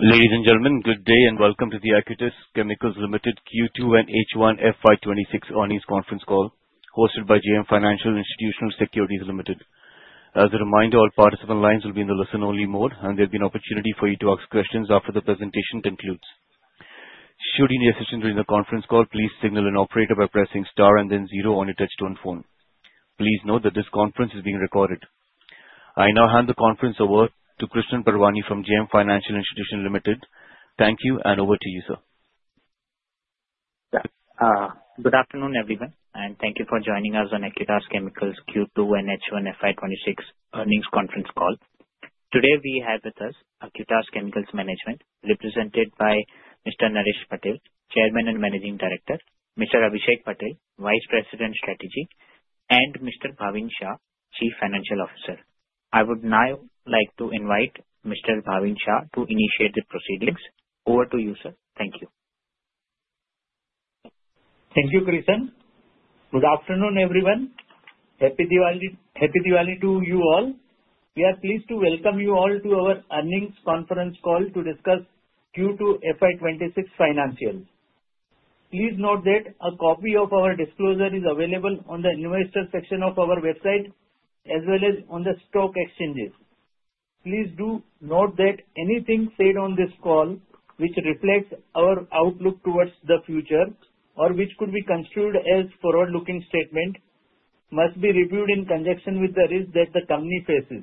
Ladies and Gentlemen, Good day and Welcome To The Acutaas Chemicals Limited Q2 and H1 FY26 Earnings Conference Call, Hosted by JM Financial Institutional Securities Limited. As a reminder, all participant lines will be in the listen-only mode, and there will be an opportunity for you to ask questions after the presentation concludes. Should you need assistance during the conference call, please signal an operator by pressing star and then zero on your touch-tone phone. Please note that this conference is being recorded. I now hand the conference over to Krishan Parwani from JM Financial Institutional Securities Limited. Thank you, and over to you, sir. Good afternoon, everyone, and thank you for joining us on Acutaas Chemicals Q2 and H1 FY26 earnings conference call. Today, we have with us Acutaas Chemicals Management, represented by Mr. Naresh Patel, Chairman and Managing Director, Mr. Abhishek Patel, Vice President Strategy, and Mr. Bhavin Shah, Chief Financial Officer. I would now like to invite Mr. Bhavin Shah to initiate the proceedings. Over to you, sir. Thank you. Thank you, Krishan. Good afternoon, everyone. Happy Diwali to you all. We are pleased to welcome you all to our earnings conference call to discuss Q2 FY26 financials. Please note that a copy of our disclosure is available on the investor section of our website, as well as on the stock exchanges. Please do note that anything said on this call, which reflects our outlook towards the future or which could be construed as a forward-looking statement, must be reviewed in conjunction with the risk that the company faces.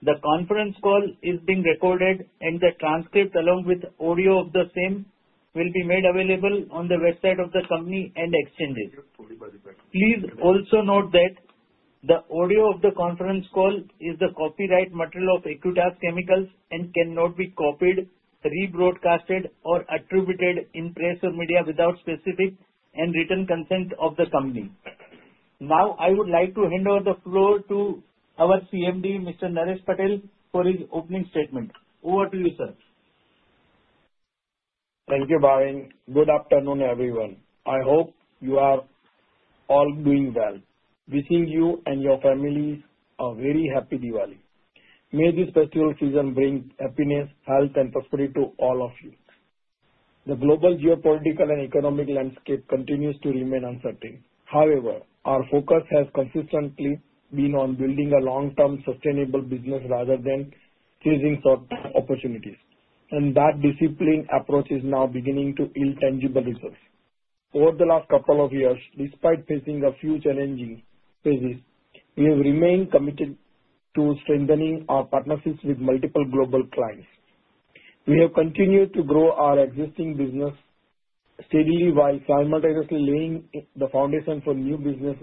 The conference call is being recorded, and the transcript, along with the audio of the same, will be made available on the website of the company and exchanges. Please also note that the audio of the conference call is the copyright material of Acutaas Chemicals and cannot be copied, rebroadcast, or attributed in press or media without specific and written consent of the company. Now, I would like to hand over the floor to our CMD, Mr. Naresh Patel, for his opening statement. Over to you, sir. Thank you, Bhavin. Good afternoon, everyone. I hope you are all doing well. Wishing you and your families a very happy Diwali. May this festival season bring happiness, health, and prosperity to all of you. The global geopolitical and economic landscape continues to remain uncertain. However, our focus has consistently been on building a long-term sustainable business rather than chasing short-term opportunities, and that disciplined approach is now beginning to yield tangible results. Over the last couple of years, despite facing a few challenging phases, we have remained committed to strengthening our partnerships with multiple global clients. We have continued to grow our existing business steadily while simultaneously laying the foundation for new business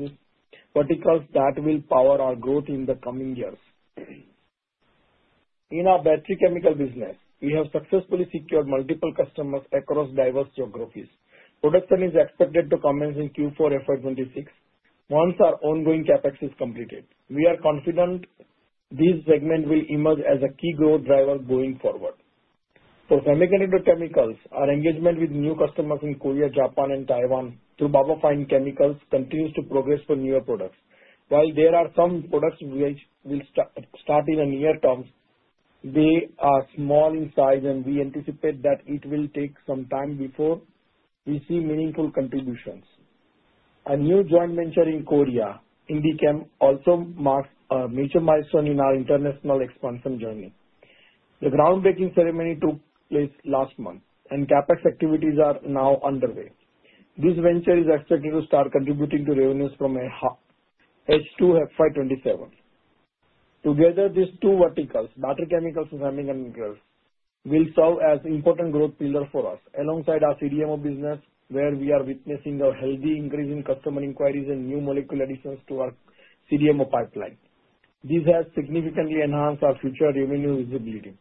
verticals that will power our growth in the coming years. In our battery chemical business, we have successfully secured multiple customers across diverse geographies. Production is expected to commence in Q4 FY26 once our ongoing CapEx is completed. We are confident this segment will emerge as a key growth driver going forward. For Semiconductor Chemicals, our engagement with new customers in Korea, Japan, and Taiwan through Baba Fine Chemicals continues to progress for newer products. While there are some products which will start in the near term, they are small in size, and we anticipate that it will take some time before we see meaningful contributions. A new joint venture in Korea, IndiGem, also marks a major milestone in our international expansion journey. The groundbreaking ceremony took place last month, and CapEx activities are now underway. This venture is expected to start contributing to revenues from H2 FY27. Together, these two verticals, battery chemicals and semiconductors, will serve as important growth pillars for us, alongside our CDMO business, where we are witnessing a healthy increase in customer inquiries and new molecular additions to our CDMO pipeline. This has significantly enhanced our future revenue visibility.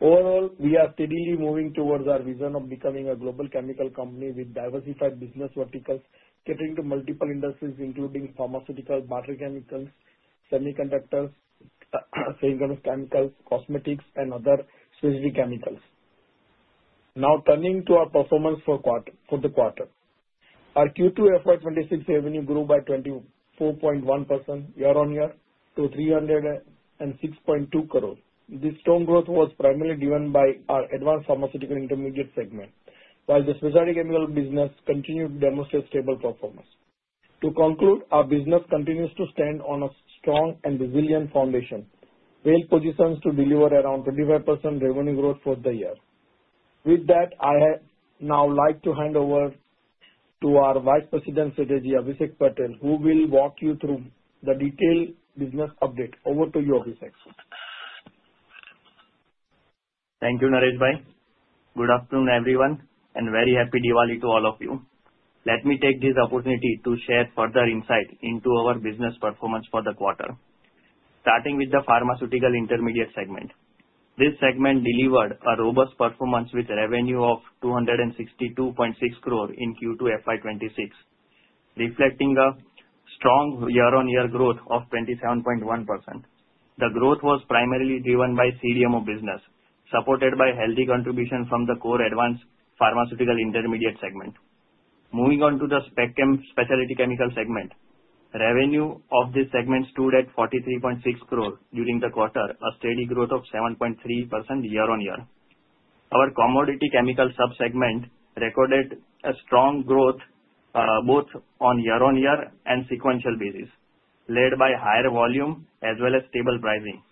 Overall, we are steadily moving towards our vision of becoming a global chemical company with diversified business verticals catering to multiple industries, including pharmaceutical, battery chemicals, semiconductors, semiconductor chemicals, cosmetics, and other specialty chemicals. Now, turning to our performance for the quarter, our Q2 FY26 revenue grew by 24.1% year-on-year to 306.2 crores. This strong growth was primarily driven by our advanced pharmaceutical intermediate segment, while the specialty chemical business continued to demonstrate stable performance. To conclude, our business continues to stand on a strong and resilient foundation, well-positioned to deliver around 25% revenue growth for the year. With that, I now like to hand over to our Vice President Strategy, Abhishek Patel, who will walk you through the detailed business update. Over to you, Abhishek. Thank you, Naresh Bhai. Good afternoon, everyone, and very happy Diwali to all of you. Let me take this opportunity to share further insight into our business performance for the quarter, starting with the pharmaceutical intermediate segment. This segment delivered a robust performance with a revenue of 262.6 crore in Q2 FY26, reflecting a strong year-on-year growth of 27.1%. The growth was primarily driven by CDMO business, supported by healthy contributions from the core advanced pharmaceutical intermediate segment. Moving on to the specialty chemical segment, revenue of this segment stood at 43.6 crore during the quarter, a steady growth of 7.3% year-on-year. Our commodity chemical subsegment recorded a strong growth both on year-on-year and sequential basis, led by higher volume as well as stable pricing.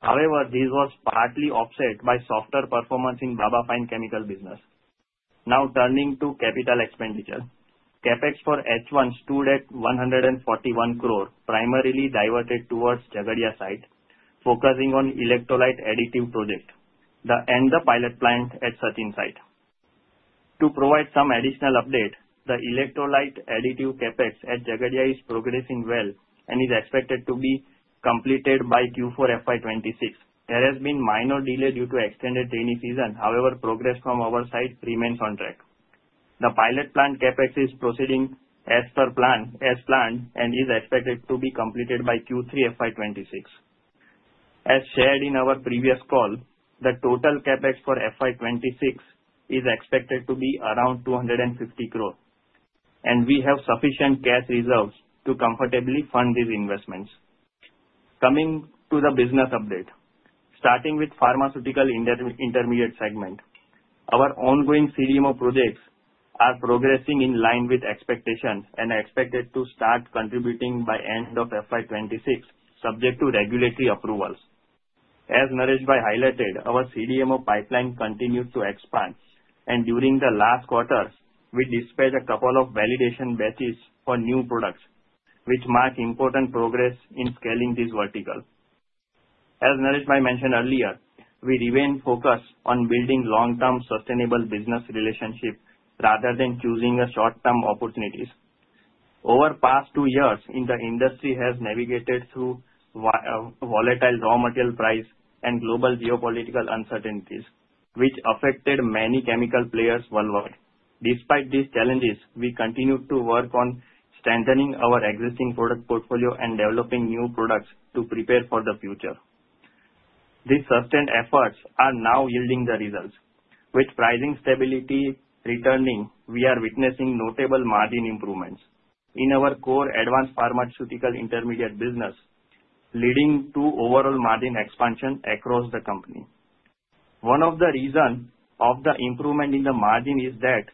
However, this was partly offset by softer performance in Baba Fine Chemicals business. Now, turning to capital expenditure, CapEx for H1 stood at 141 crore, primarily diverted towards Jhagadia site, focusing on electrolyte additive project and the pilot plant at Sachin site. To provide some additional update, the electrolyte additive CapEx at Jhagadia is progressing well and is expected to be completed by Q4 FY26. There has been a minor delay due to extended rainy season. However, progress from our side remains on track. The pilot plant CapEx is proceeding as planned and is expected to be completed by Q3 FY26. As shared in our previous call, the total CapEx for FY26 is expected to be around 250 crore, and we have sufficient cash reserves to comfortably fund these investments. Coming to the business update, starting with pharmaceutical intermediate segment, our ongoing CDMO projects are progressing in line with expectations and are expected to start contributing by the end of FY26, subject to regulatory approvals. As Naresh Bhai highlighted, our CDMO pipeline continues to expand, and during the last quarter, we dispatched a couple of validation batches for new products, which mark important progress in scaling this vertical. As Naresh Bhai mentioned earlier, we remain focused on building long-term sustainable business relationships rather than choosing short-term opportunities. Over the past two years, the industry has navigated through volatile raw material prices and global geopolitical uncertainties, which affected many chemical players worldwide. Despite these challenges, we continue to work on strengthening our existing product portfolio and developing new products to prepare for the future. These sustained efforts are now yielding results. With pricing stability returning, we are witnessing notable margin improvements in our core advanced pharmaceutical intermediate business, leading to overall margin expansion across the company. One of the reasons for the improvement in the margin is that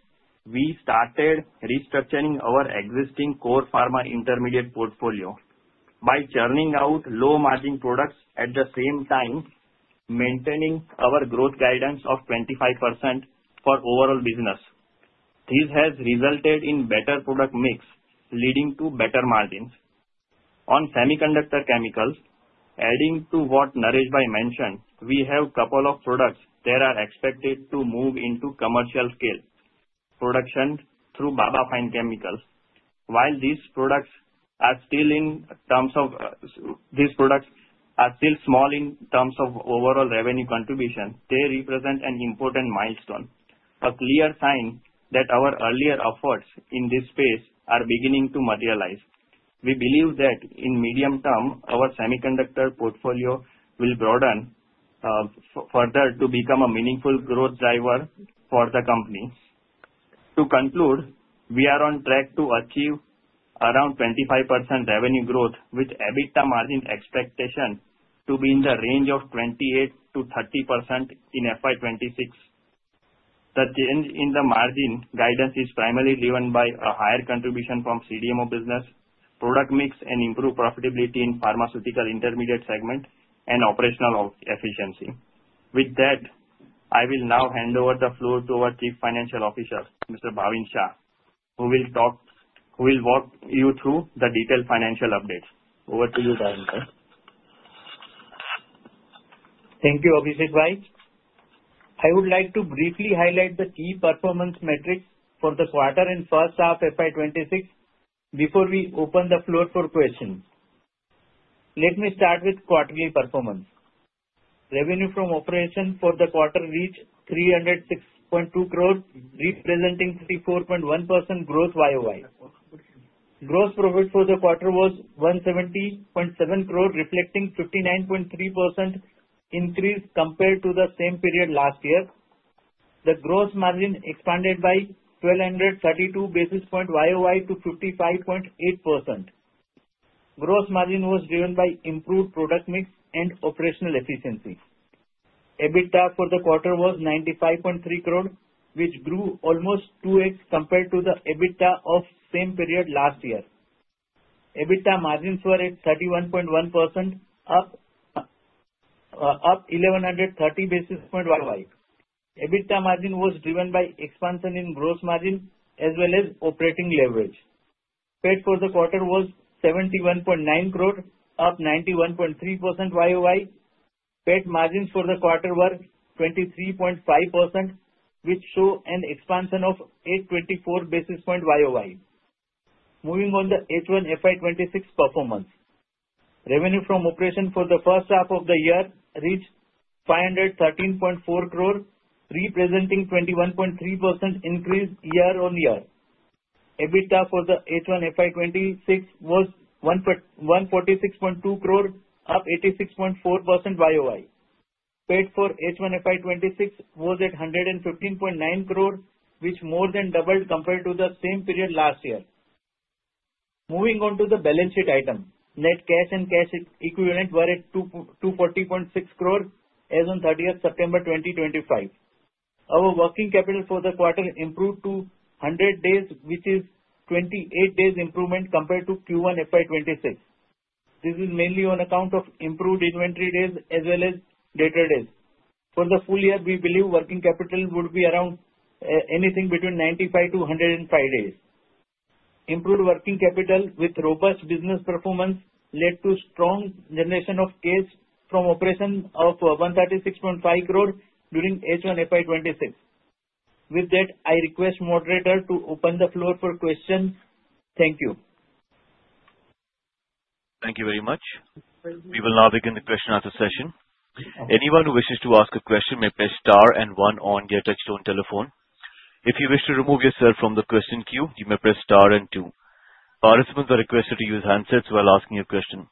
we started restructuring our existing core pharma intermediate portfolio by churning out low-margin products at the same time, maintaining our growth guidance of 25% for overall business. This has resulted in a better product mix, leading to better margins. On semiconductor chemicals, adding to what Naresh Bhai mentioned, we have a couple of products that are expected to move into commercial scale production through Baba Fine Chemicals. While these products are still small in terms of overall revenue contribution, they represent an important milestone, a clear sign that our earlier efforts in this space are beginning to materialize. We believe that in the medium term, our semiconductor portfolio will broaden further to become a meaningful growth driver for the company. To conclude, we are on track to achieve around 25% revenue growth, with EBITDA margin expectation to be in the range of 28% to 30% in FY26. The change in the margin guidance is primarily driven by a higher contribution from CDMO business, product mix, and improved profitability in the pharmaceutical intermediate segment and operational efficiency. With that, I will now hand over the floor to our Chief Financial Officer, Mr. Bhavin Shah, who will walk you through the detailed financial updates. Over to you, Bhavin Bhai. Thank you, Abhishek Bhai. I would like to briefly highlight the key performance metrics for the quarter and first half of FY26 before we open the floor for questions. Let me start with quarterly performance. Revenue from operations for the quarter reached 306.2 crore, representing 34.1% growth YOY. Gross profit for the quarter was 170.7 crore, reflecting a 59.3% increase compared to the same period last year. The gross margin expanded by 1,232 basis points YOY to 55.8%. Gross margin was driven by improved product mix and operational efficiency. EBITDA for the quarter was 95.3 crore, which grew almost 2X compared to the EBITDA of the same period last year. EBITDA margins were at 31.1%, up 1,130 basis points YOY. EBITDA margin was driven by expansion in gross margin as well as operating leverage. PAT for the quarter was 71.9 crore, up 91.3% YOY. PAT margins for the quarter were 23.5%, which showed an expansion of 824 basis points YOY. Moving on to the H1 FY26 performance, revenue from operations for the first half of the year reached 513.4 crore, representing a 21.3% increase year-on-year. EBITDA for the H1 FY26 was INR 146.2 crore, up 86.4% YOY. PAT for H1 FY26 was at INR 115.9 crore, which more than doubled compared to the same period last year. Moving on to the balance sheet item, net cash and cash equivalent were at 240.6 crore as of 30 September 2025. Our working capital for the quarter improved to 100 days, which is a 28-day improvement compared to Q1 FY26. This is mainly on account of improved inventory days as well as debtor days. For the full year, we believe working capital would be around anything between 95 to 105 days. Improved working capital with robust business performance led to a strong generation of cash from operations of 136.5 crore during H1 FY26. With that, I request the moderator to open the floor for questions. Thank you. Thank you very much. We will now begin the question-and-answer session. Anyone who wishes to ask a question may press star and one on their touch-tone telephone. If you wish to remove yourself from the question queue, you may press star and two. Participants are requested to use handsets while asking a question.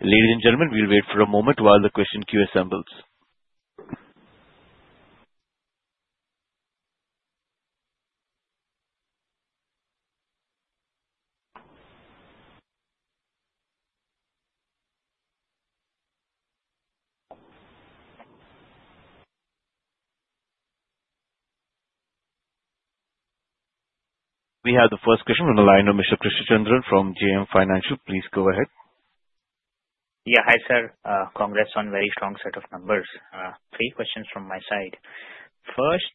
Ladies and gentlemen, we'll wait for a moment while the question queue assembles. We have the first question from the line of Mr. Krishna Chandran from JM Financial. Please go ahead. Yeah, hi sir. Congrats on a very strong set of numbers. Three questions from my side. First,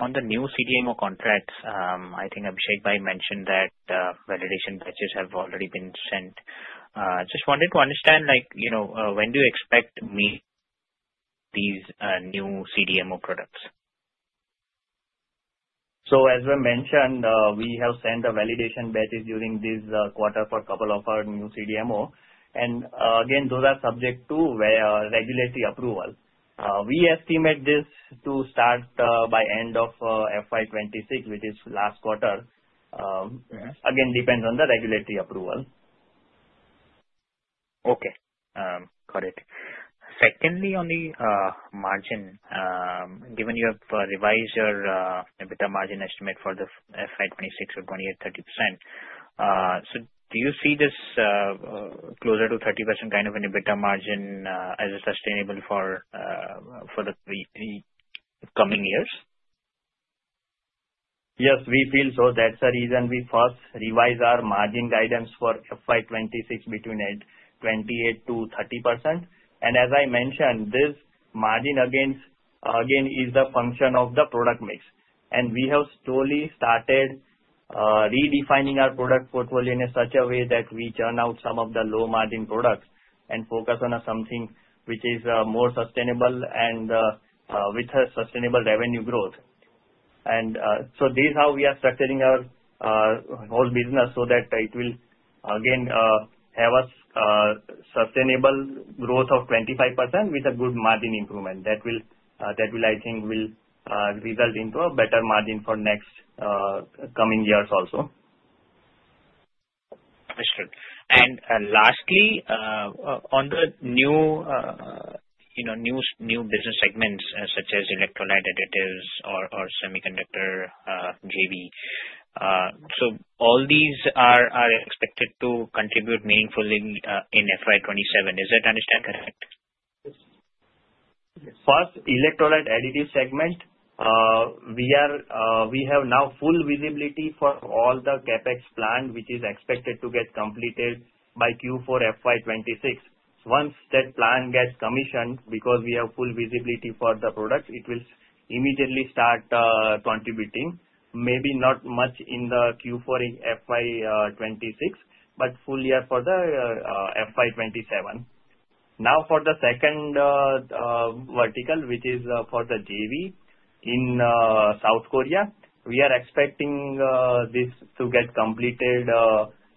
on the new CDMO contracts, I think Abhishek Bhai mentioned that validation batches have already been sent. Just wanted to understand, when do you expect to meet these new CDMO products? As we mentioned, we have sent the validation batches during this quarter for a couple of our new CDMOs. Again, those are subject to regulatory approval. We estimate this to start by the end of FY26, which is the last quarter. Again, it depends on the regulatory approval. Okay. Got it. Secondly, on the margin, given you have revised your EBITDA margin estimate for the FY26 of 28% to 30%, do you see this closer to 30% kind of an EBITDA margin as sustainable for the coming years? Yes, we feel so. That's the reason we first revised our margin guidance for FY26 between 28% to 30%. And as I mentioned, this margin again is a function of the product mix. And we have slowly started redefining our product portfolio in such a way that we churn out some of the low-margin products and focus on something which is more sustainable and with sustainable revenue growth. And so this is how we are structuring our whole business so that it will again have a sustainable growth of 25% with a good margin improvement. That will, I think, result in a better margin for the next coming years also. Understood. And lastly, on the new business segments, such as electrolyte additives or semiconductor JV, so all these are expected to contribute meaningfully in FY27. Is that understanding correct? First, electrolyte additive segment, we have now full visibility for all the CapEx plans, which is expected to get completed by Q4 FY26. Once that plan gets commissioned, because we have full visibility for the products, it will immediately start contributing. Maybe not much in the Q4 FY26, but full year for the FY27. Now, for the second vertical, which is for the JV in South Korea, we are expecting this to get completed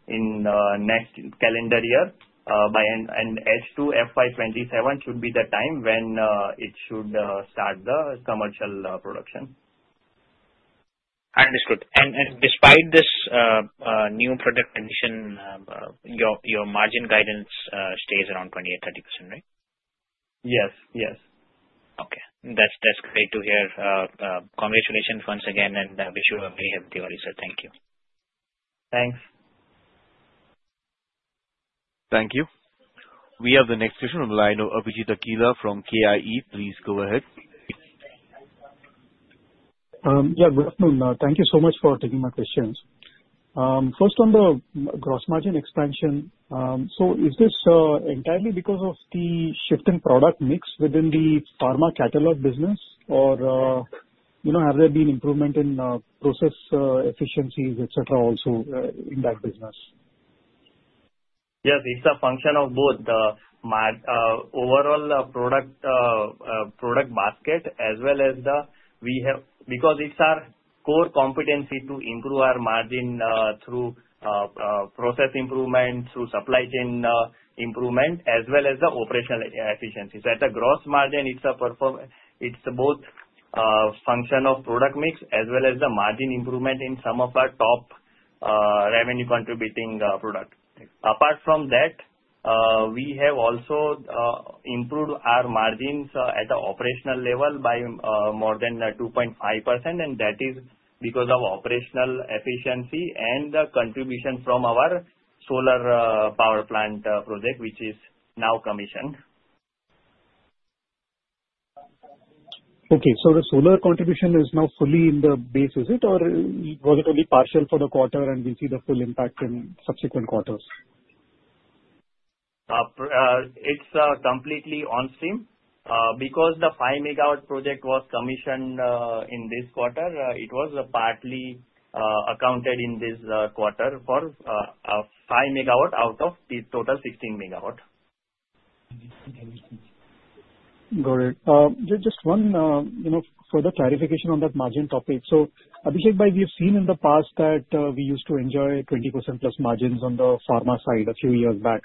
in the next calendar year, and H2 FY27 should be the time when it should start the commercial production. Understood. And despite this new product addition, your margin guidance stays around 28% to 30%, right? Yes. Yes. Okay. That's great to hear. Congratulations once again, and I wish you a very happy holiday. Thank you. Thanks. Thank you. We have the next question from the line of Abhijit Akella from KIE. Please go ahead. Yeah, good afternoon. Thank you so much for taking my questions. First, on the gross margin expansion, so is this entirely because of the shift in product mix within the pharma catalog business, or have there been improvements in process efficiencies, etc., also in that business? Yes, it's a function of both. The overall product basket, as well as the we have because it's our core competency to improve our margin through process improvement, through supply chain improvement, as well as the operational efficiency. So at the gross margin, it's both a function of product mix as well as the margin improvement in some of our top revenue-contributing products. Apart from that, we have also improved our margins at the operational level by more than 2.5%, and that is because of operational efficiency and the contribution from our solar power plant project, which is now commissioned. Okay. So the solar contribution is now fully in the base, is it, or was it only partial for the quarter, and we see the full impact in subsequent quarters? It's completely on stream. Because the five MW project was commissioned in this quarter, it was partly accounted in this quarter for five MW out of the total 16 MW. Got it. Just one further clarification on that margin topic. So Abhishek Bhai, we have seen in the past that we used to enjoy 20% plus margins on the pharma side a few years back.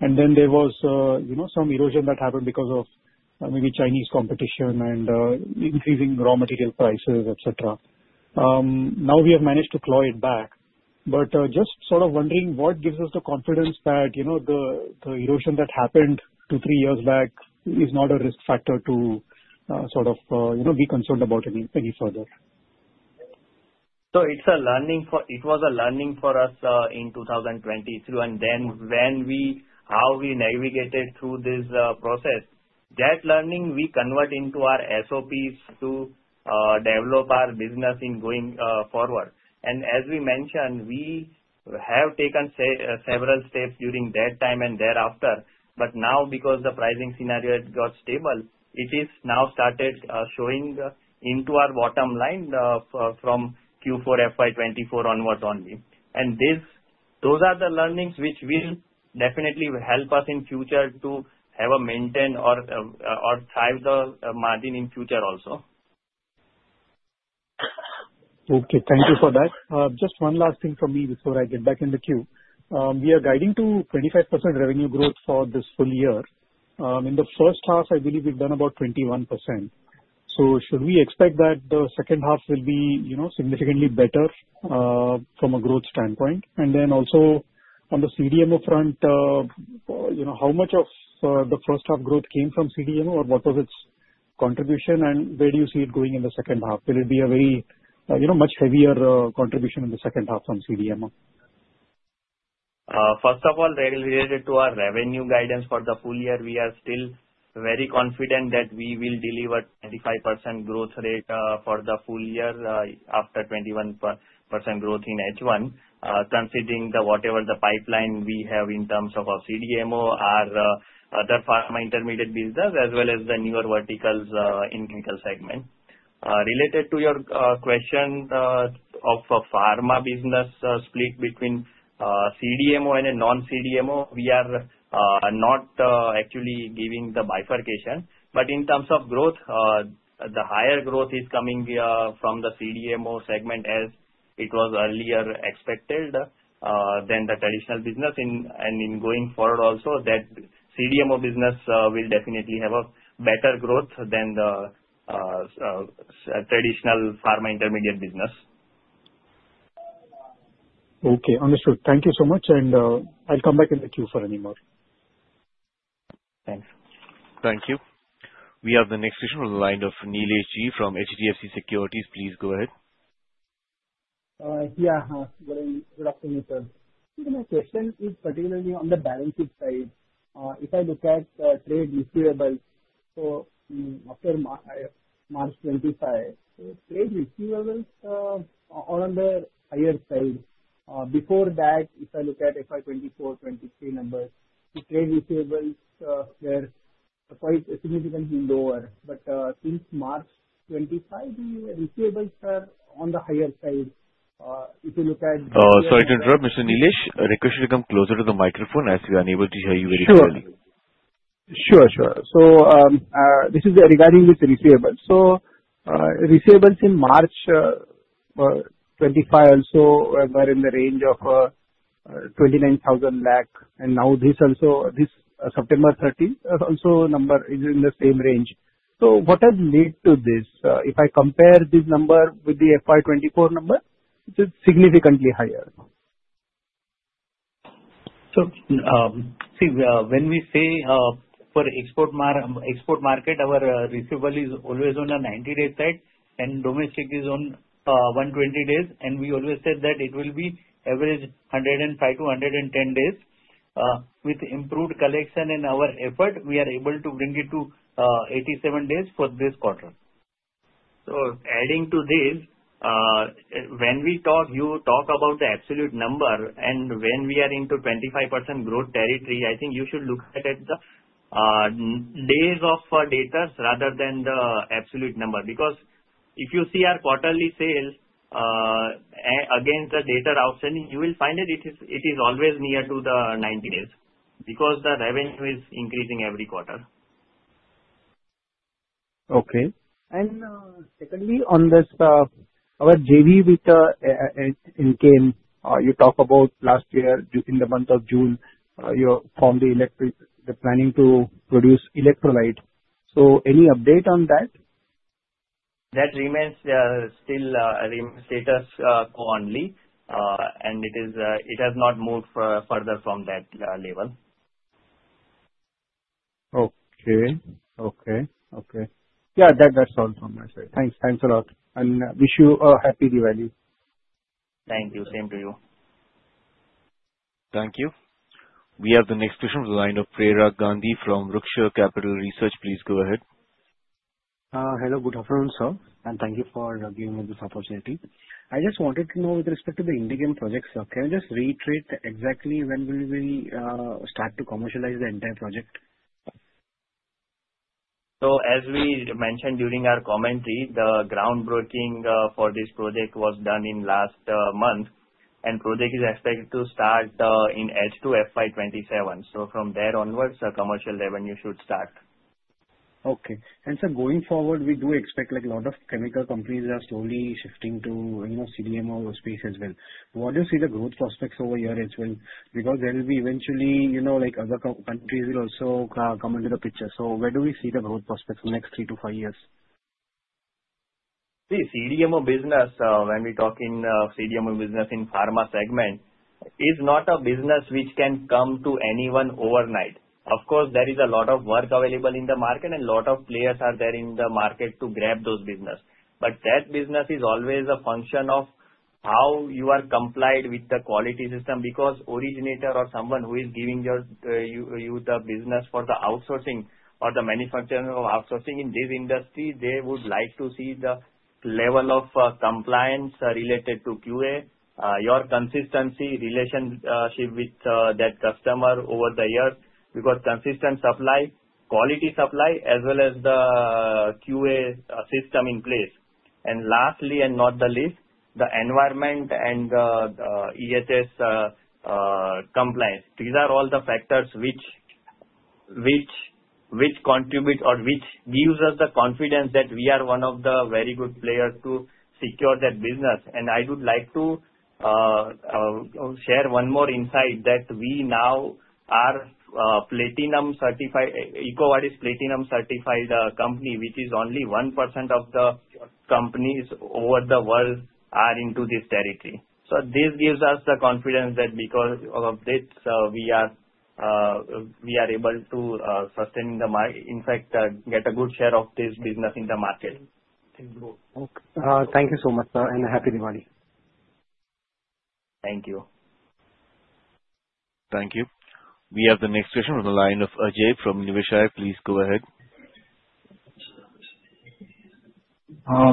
And then there was some erosion that happened because of maybe Chinese competition and increasing raw material prices, etc. Now we have managed to claw it back. But just sort of wondering what gives us the confidence that the erosion that happened two to three years back is not a risk factor to sort of be concerned about any further? So, it was a learning for us in 2022. And then, how we navigated through this process, that learning we convert into our SOPs to develop our business going forward. And as we mentioned, we have taken several steps during that time and thereafter. But now, because the pricing scenario got stable, it has now started showing in our bottom line from Q4 FY24 onward only. And those are the learnings which will definitely help us in the future to have and maintain or thrive the margin in the future also. Okay. Thank you for that. Just one last thing for me before I get back in the queue. We are guiding to 25% revenue growth for this full year. In the first half, I believe we've done about 21%. So should we expect that the second half will be significantly better from a growth standpoint? And then also on the CDMO front, how much of the first-half growth came from CDMO, or what was its contribution, and where do you see it going in the second half? Will it be a very much heavier contribution in the second half from CDMO? First of all, related to our revenue guidance for the full year, we are still very confident that we will deliver 25% growth rate for the full year after 21% growth in H1, considering whatever the pipeline we have in terms of our CDMO, our other pharma intermediate business, as well as the newer verticals in the medical segment. Related to your question of pharma business split between CDMO and a non-CDMO, we are not actually giving the bifurcation. But in terms of growth, the higher growth is coming from the CDMO segment as it was earlier expected than the traditional business. And in going forward also, that CDMO business will definitely have a better growth than the traditional pharma intermediate business. Okay. Understood. Thank you so much, and I'll come back in the queue for any more. Thanks. Thank you. We have the next question from the line of Nilesh Ghuge from HDFC Securities. Please go ahead. Yeah. Good afternoon, sir. My question is particularly on the balance sheet side. If I look at trade receivables after March 25, trade receivables are on the higher side. Before that, if I look at FY24, FY23 numbers, the trade receivables were quite significantly lower. But since March 25, the receivables are on the higher side. If you look at. Sorry to interrupt, Mr. Nilesh, request you to come closer to the microphone as we are unable to hear you very clearly. Sure. Sure. So this is regarding with the receivables. So receivables in March 2025 also were in the range of 29,000 lakh. And now this September 30, also number is in the same range. So what has led to this? If I compare this number with the FY24 number, it is significantly higher. So, see, when we say for export market, our receivable is always on a 90-day side, and domestic is on 120 days. And we always said that it will be average 105 to 110 days. With improved collection and our effort, we are able to bring it to 87 days for this quarter. So adding to this, when we talk, you talk about the absolute number, and when we are into 25% growth territory, I think you should look at the debtor days rather than the absolute number. Because if you see our quarterly sales against the debtor outstanding, you will find that it is always near to the 90 days because the revenue is increasing every quarter. Okay. And secondly, on this, our JV with JN Materials, you talk about last year in the month of June, you formed the planning to produce electrolyte. So any update on that? That remains still status quo only, and it has not moved further from that level. Okay. Yeah, that's all from my side. Thanks a lot and wish you a happy Diwali. Thank you. Same to you. Thank you. We have the next question from the line of Prerak Gandhi from Lucky Investment Managers. Please go ahead. Hello. Good afternoon, sir, and thank you for giving me this opportunity. I just wanted to know with respect to the IndiGem project, sir, can you just reiterate exactly when will we start to commercialize the entire project? So as we mentioned during our commentary, the groundbreaking for this project was done in last month, and the project is expected to start in H2 FY27. So from there onwards, commercial revenue should start. Okay. And, sir, going forward, we do expect a lot of chemical companies are slowly shifting to CDMO space as well. What do you see the growth prospects over here as well? Because there will be eventually other countries will also come into the picture. So where do we see the growth prospects for the next three to five years? See, CDMO business, when we talk in CDMO business in pharma segment, is not a business which can come to anyone overnight. Of course, there is a lot of work available in the market, and a lot of players are there in the market to grab those businesses. But that business is always a function of how you are complied with the quality system. Because originator or someone who is giving you the business for the outsourcing or the manufacturing of outsourcing in this industry, they would like to see the level of compliance related to QA, your consistency relationship with that customer over the years. Because consistent supply, quality supply, as well as the QA system in place. And lastly, and not the least, the environment and the EHS compliance. These are all the factors which contribute or which gives us the confidence that we are one of the very good players to secure that business. And I would like to share one more insight that we now are platinum certified. EcoVadis is platinum certified company, which is only 1% of the companies over the world are into this territory. So this gives us the confidence that because of this, we are able to sustain the market, in fact, get a good share of this business in the market. Thank you. Thank you so much, sir, and a happy Diwali. Thank you. Thank you. We have the next question from the line of Ajay from Niveshaay. Please go ahead.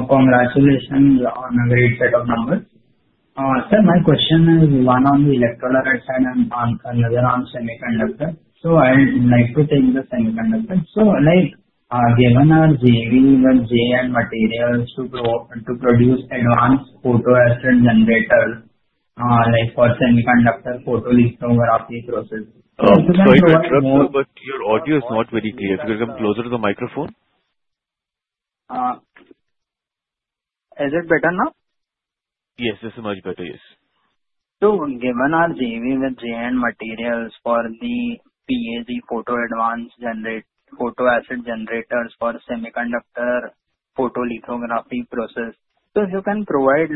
Congratulations on a great set of numbers. Sir, my question is one on the electrolyte side and another on semiconductor. So I'd like to take the semiconductor. So given our JV with JN Materials to produce advanced photoacid generators for semiconductor photolithography process. Sorry, it's not working, but your audio is not very clear. Could you come closer to the microphone? Is it better now? Yes. This is much better. Yes. So given our JV with JN Materials for the PAG Photoacid Generators for semiconductor photolithography process, so if you can provide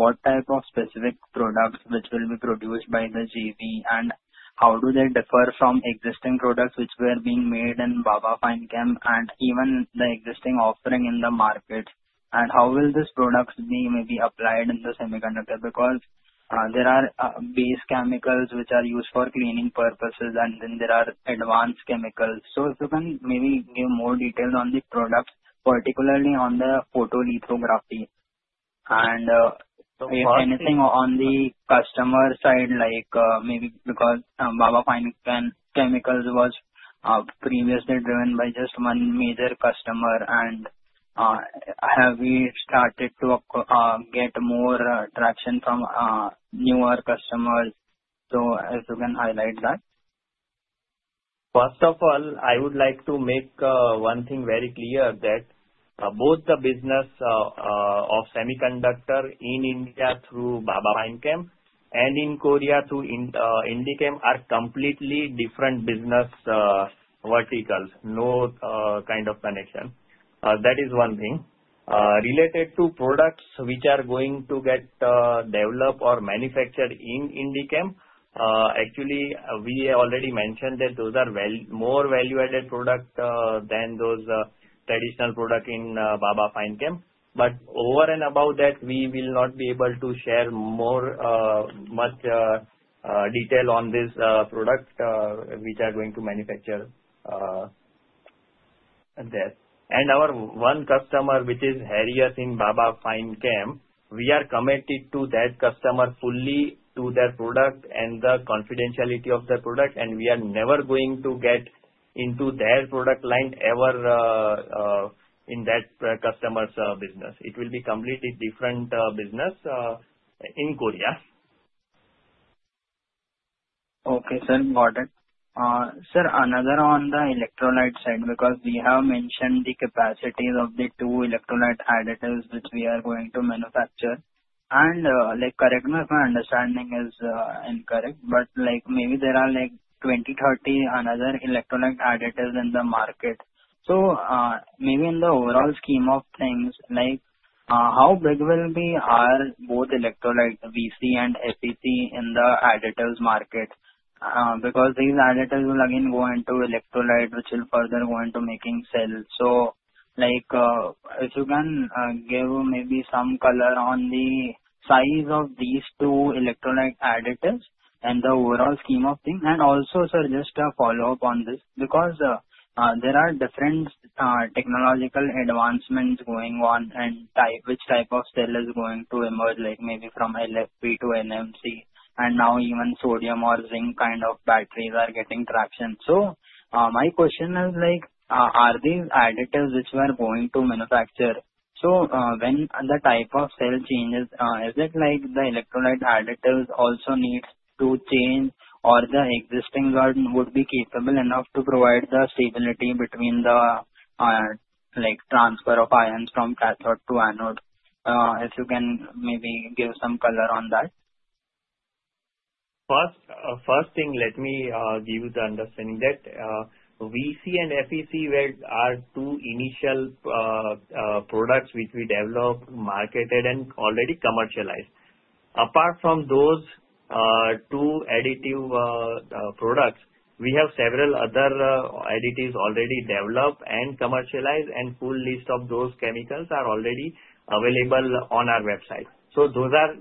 what type of specific products which will be produced by the JV, and how do they differ from existing products which were being made in Baba Fine Chemicals and even the existing offering in the market? And how will these products be maybe applied in the semiconductor? Because there are base chemicals which are used for cleaning purposes, and then there are advanced chemicals. So if you can maybe give more details on the products, particularly on the photolithography. And if anything on the customer side, maybe because Baba Fine Chemicals was previously driven by just one major customer, and have we started to get more traction from newer customers? So if you can highlight that. First of all, I would like to make one thing very clear that both the business of semiconductor in India through Baba Fine Chemicals and in Korea through IndiGem are completely different business verticals. No kind of connection. That is one thing. Related to products which are going to get developed or manufactured in IndiGem, actually, we already mentioned that those are more value-added products than those traditional products in Baba Fine Chemicals. But over and above that, we will not be able to share much detail on these products which are going to manufacture there. And our one customer which is Heraeus in Baba Fine Chemicals, we are committed to that customer fully to their product and the confidentiality of the product. And we are never going to get into their product line ever in that customer's business. It will be completely different business in Korea. Okay, sir. Got it. Sir, another on the electrolyte side, because we have mentioned the capacity of the two electrolyte additives which we are going to manufacture. And correct me if my understanding is incorrect, but maybe there are 20 to30 other electrolyte additives in the market. So maybe in the overall scheme of things, how big will be both electrolyte VC and FEC in the additives market? Because these additives will again go into electrolyte, which will further go into making cells. So if you can give maybe some color on the size of these two electrolyte additives and the overall scheme of things. And also, sir, just a follow-up on this. Because there are different technological advancements going on, and which type of cell is going to emerge, maybe from LFP to NMC, and now even sodium or zinc kind of batteries are getting traction. So my question is, are these additives which we are going to manufacture? So when the type of cell changes, is it like the electrolyte additives also need to change, or the existing one would be capable enough to provide the stability between the transfer of ions from cathode to anode? If you can maybe give some color on that? First thing, let me give you the understanding that VC and FEC are two initial products which we developed, marketed, and already commercialized. Apart from those two additive products, we have several other additives already developed and commercialized, and full list of those chemicals are already available on our website, so those are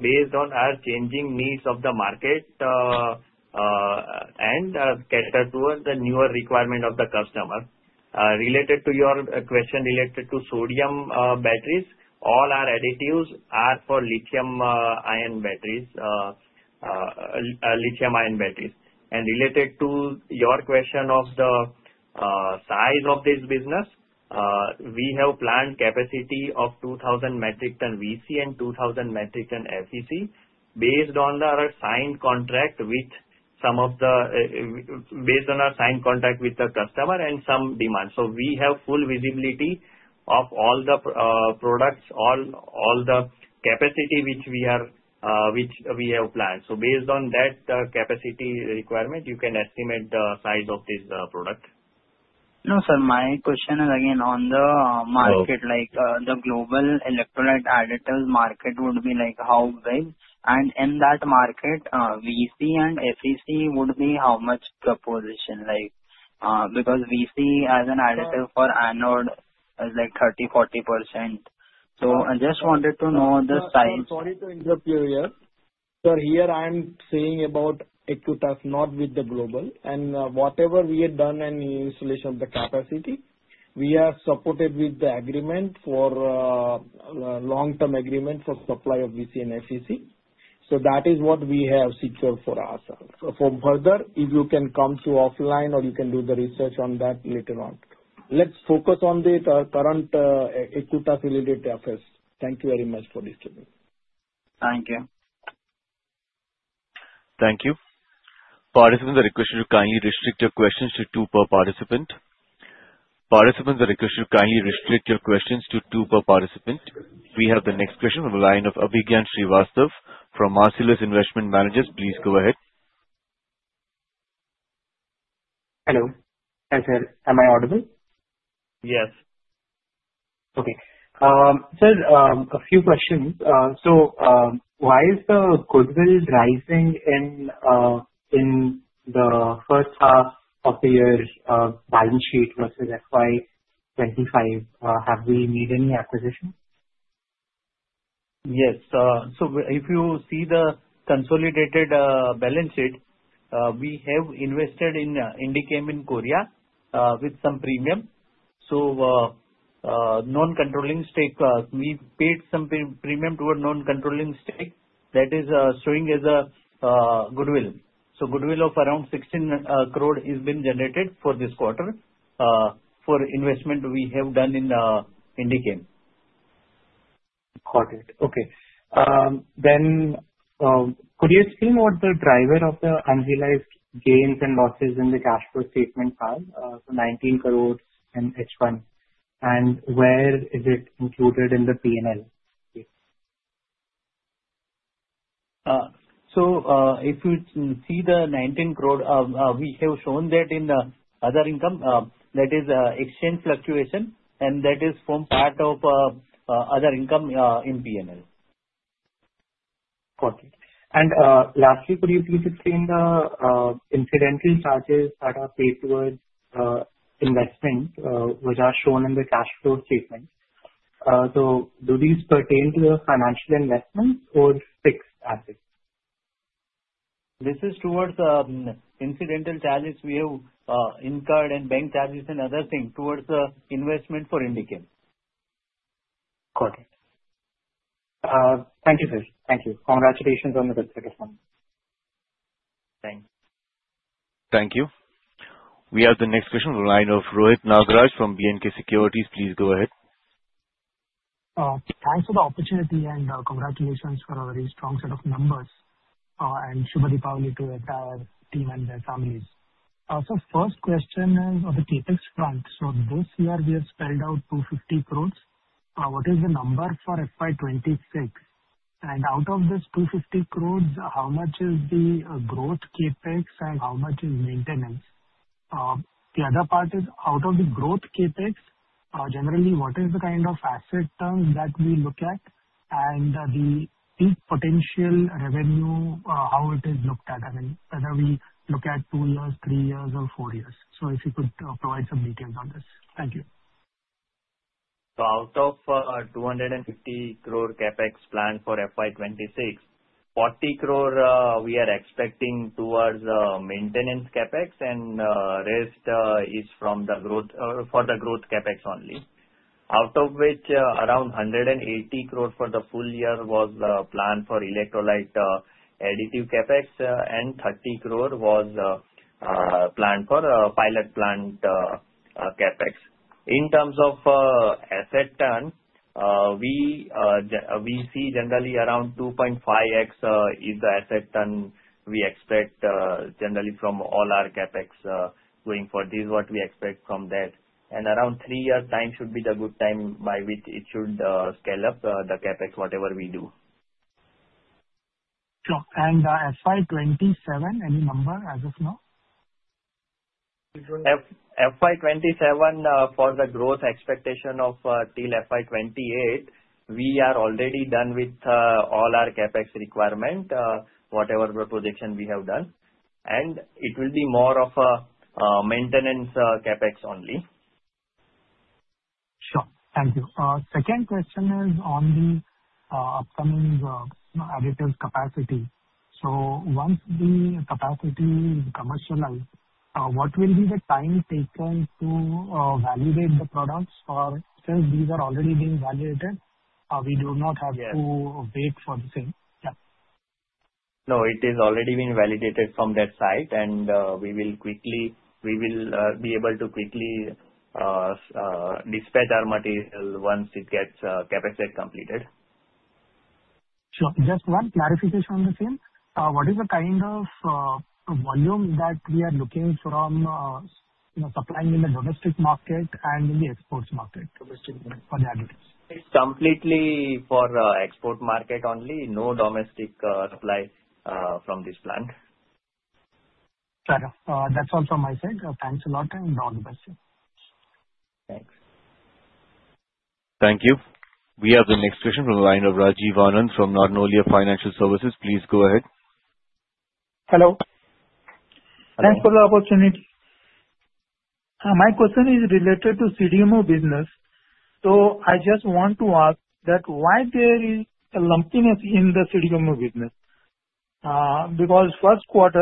based on our changing needs of the market and cater towards the newer requirement of the customer. Related to your question related to sodium batteries, all our additives are for lithium-ion batteries, and related to your question of the size of this business, we have planned capacity of 2,000 metric ton VC and 2,000 metric ton FEC based on our signed contract with the customer and some demand, so we have full visibility of all the products, all the capacity which we have planned. So based on that capacity requirement, you can estimate the size of this product. No, sir. My question is again on the market. The global electrolyte additives market would be how big? And in that market, VC and FEC would be how much proportion? Because VC as an additive for anode is 30% to 40%. So I just wanted to know the size. Sorry to interrupt you here. Sir, here I'm saying about Acutaas, not with the global. And whatever we have done in installation of the capacity, we have supported with the agreement for long-term agreement for supply of VC and FEC. So that is what we have secured for us. For further, if you can come to offline or you can do the research on that later on. Let's focus on the current Acutaas-related affairs. Thank you very much for this today. Thank you. Thank you. Participants, I request you to kindly restrict your questions to two per participant. We have the next question from the line of Abhigyan Srivastava from Marcellus Investment Managers. Please go ahead. Hello. Yes, sir. Am I audible? Yes. Okay. Sir, a few questions. So why is the goodwill rising in the first half of the year balance sheet versus FY25? Have we made any acquisition? Yes. So if you see the consolidated balance sheet, we have invested in IndiGem in Korea with some premium. So non-controlling stake, we paid some premium towards non-controlling stake. That is showing as a goodwill. So goodwill of around 16 crore has been generated for this quarter for investment we have done in IndiGem. Got it. Okay. Then could you explain what the driver of the unrealized gains and losses in the cash flow statement are? So 19 crore and H1. And where is it included in the P&L? If you see the 19 crore, we have shown that in the other income. That is exchange fluctuation, and that is from part of other income in P&L. Got it. And lastly, could you please explain the incidental charges that are paid towards investment which are shown in the cash flow statement? So do these pertain to the financial investments or fixed assets? This is towards incidental charges we have incurred and bank charges and other things towards the investment for IndiGem. Got it. Thank you, sir. Thank you. Congratulations on the success. Thanks. Thank you. We have the next question from the line of Rohit Nagraj from BNK Securities. Please go ahead. Thanks for the opportunity and congratulations for a very strong set of numbers, and Shubh Deepavali to the entire team and their families. So first question is on the CapEx front. So this year we have spelled out 250 crores. What is the number for FY26? And out of this 250 crores, how much is the growth CapEx and how much is maintenance? The other part is out of the growth CapEx, generally, what is the kind of asset terms that we look at and the peak potential revenue, how it is looked at? I mean, whether we look at two years, three years, or four years. So if you could provide some details on this. Thank you. Out of 250 crore CapEx planned for FY26, 40 crore we are expecting towards maintenance CapEx, and rest is from the growth for the growth CapEx only. Out of which, around 180 crore for the full year was planned for electrolyte additive CapEx, and 30 crore was planned for pilot plant CapEx. In terms of asset turn, we see generally around 2.5x is the asset turn we expect generally from all our CapEx going forward. This is what we expect from that. Around three years' time should be the good time by which it should scale up the CapEx, whatever we do. Sure. And FY27, any number as of now? FY27 for the growth expectation of till FY28, we are already done with all our CapEx requirement, whatever the projection we have done. And it will be more of a maintenance CapEx only. Sure. Thank you. Second question is on the upcoming additive capacity. So once the capacity is commercialized, what will be the time taken to validate the products? Since these are already being validated, we do not have to wait for the same. Yeah. No, it is already being validated from that side, and we will be able to quickly dispatch our material once it gets CapEx set completed. Sure. Just one clarification on the same. What is the kind of volume that we are looking from supplying in the domestic market and in the export market for the additives? It's completely for export market only. No domestic supply from this plant. Got it. That's all from my side. Thanks a lot, and all the best. Thanks. Thank you. We have the next question from the line of Rajiv Anand from Narnolia Financial Services. Please go ahead. Hello. Thanks for the opportunity. My question is related to CDMO business. So I just want to ask that why there is a lumpiness in the CDMO business? Because Q1,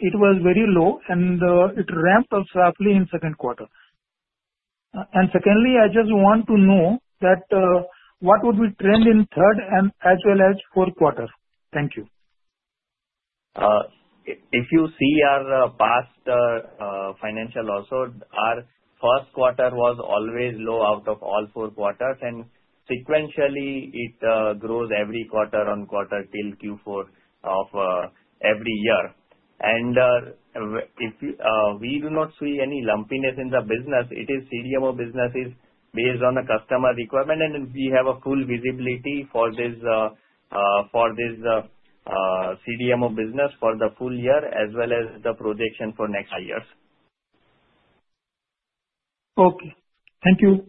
it was very low, and it ramped up sharply in Q2. And secondly, I just want to know that what would be trend in third and as well as Q4? Thank you. If you see our past financial also, our Q1 was always low out of all four quarters, and sequentially, it grows every quarter on quarter till Q4 of every year, and if we do not see any lumpiness in the business, it is CDMO business is based on the customer requirement, and we have a full visibility for this CDMO business for the full year as well as the projection for next years. Okay. Thank you.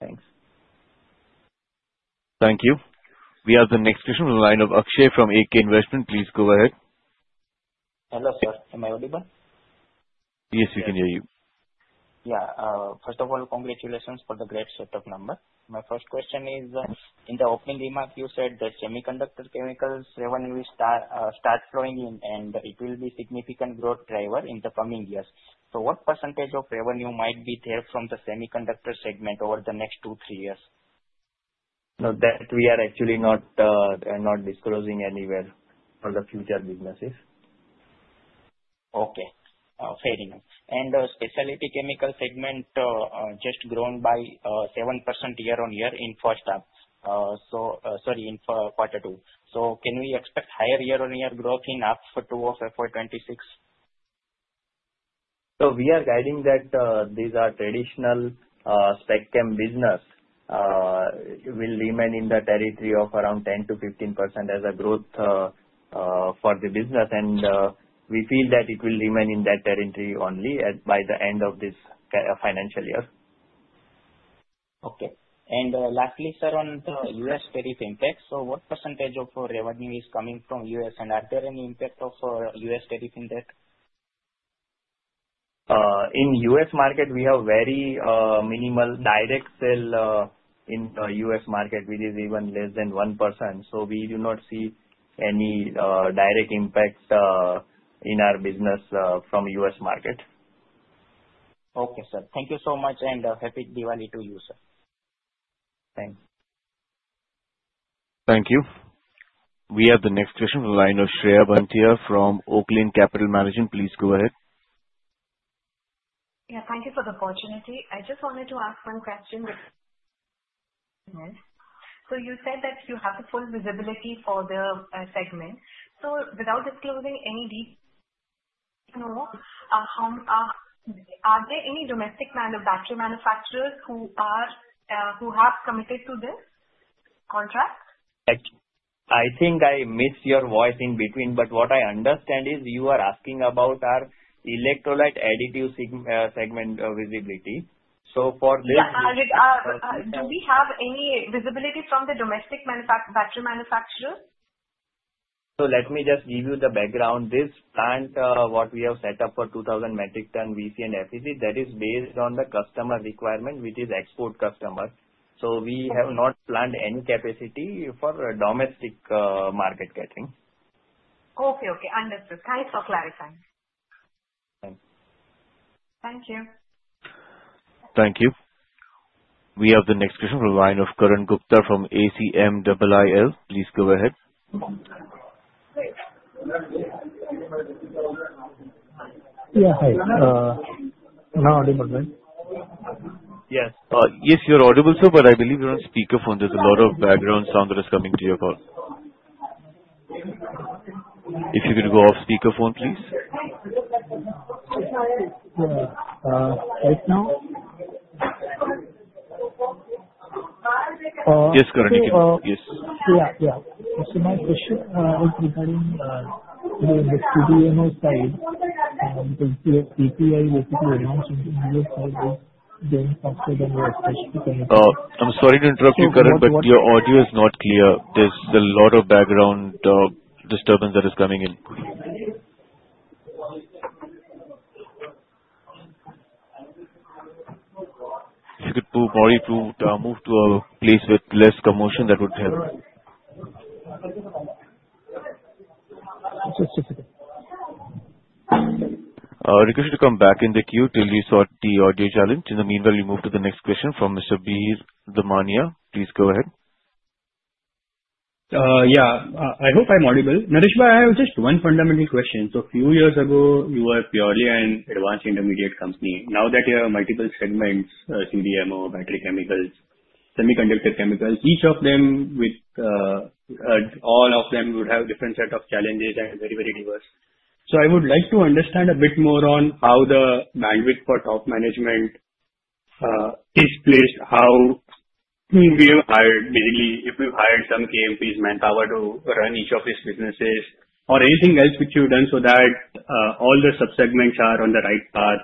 Thanks. Thank you. We have the next question from the line of Akshay from AK Investment. Please go ahead. Hello, sir. Am I audible? Yes, we can hear you. Yeah. First of all, congratulations for the great set of numbers. My first question is, in the opening remark, you said that semiconductor chemicals revenue starts flowing in, and it will be a significant growth driver in the coming years. So what percentage of revenue might be there from the semiconductor segment over the next two, three years? No, that we are actually not disclosing anywhere for the future businesses. Okay. Fair enough. And specialty chemical segment just grown by 7% year-on-year in first half. Sorry, in quarter two. So can we expect higher year-on-year growth in up to FY26? We are guiding that these are traditional spec chem business will remain in the territory of around 10% to 15% as a growth for the business, and we feel that it will remain in that territory only by the end of this financial year. Okay. And lastly, sir, on the US tariff impacts, so what percentage of revenue is coming from US, and are there any impact of US tariff in that? In US market, we have very minimal direct sale in the US market, which is even less than 1%. So we do not see any direct impact in our business from US market. Okay, sir. Thank you so much, and happy Diwali to you, sir. Thanks. Thank you. We have the next question from the line of Shreya Bantia from Oaklane Capital Management. Please go ahead. Yeah. Thank you for the opportunity. I just wanted to ask one question. So you said that you have the full visibility for the segment. So without disclosing any detail, are there any domestic battery manufacturers who have committed to this contract? I think I missed your voice in between, but what I understand is you are asking about our electrolyte additive segment visibility. So for this. Yeah. Do we have any visibility from the domestic battery manufacturers? Let me just give you the background. This plant, what we have set up for 2,000 metric ton VC and FEC, that is based on the customer requirement, which is export customer. We have not planned any capacity for domestic market, I think. Okay. Okay. Understood. Thanks for clarifying. Thanks. Thank you. Thank you. We have the next question from the line of Karan Gupta from ACMIIL. Please go ahead. Yeah. Hi. Now audible? Yes. Yes, you're audible sir, but I believe you're on speakerphone. There's a lot of background sound that is coming to your call. If you could go off speakerphone, please. Right now? Yes, Karan, you can. Yes. Yeah. So my question is regarding the CDMO side. You can see that API, basically, announced on the US side, is going faster than we expect to connect. I'm sorry to interrupt you, Karan, but your audio is not clear. There's a lot of background disturbance that is coming in. If you could move to a place with less commotion, that would help. Just a second. Requested to come back in the queue till you sort the audio challenge. In the meanwhile, we move to the next question from Mr. Bir Damania. Please go ahead. Yeah. I hope I'm audible. Nareshbhai, I have just one fundamental question. So a few years ago, you were purely an advanced intermediate company. Now that you have multiple segments, CDMO, battery chemicals, semiconductor chemicals, each of them, all of them, would have a different set of challenges and very, very diverse. So I would like to understand a bit more on how the bandwidth for top management is placed, how we have hired, basically, if we've hired some KMPs, manpower to run each of these businesses, or anything else which you've done so that all the subsegments are on the right path.